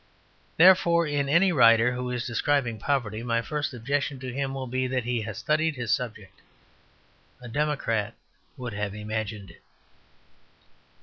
Therefore, in any writer who is describing poverty, my first objection to him will be that he has studied his subject. A democrat would have imagined it.